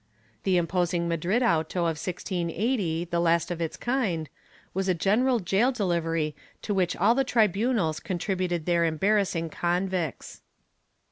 ^ The imposing Madrid auto of 1680 — the last of its kind — was a general gaol delivery to which all the tribunals contributed their embarrassing convicts.